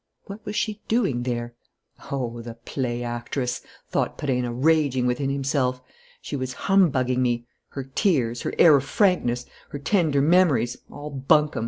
What was she doing there? "Oh, the play actress!" thought Perenna, raging within himself. "She was humbugging me. Her tears, her air of frankness, her tender memories: all bunkum!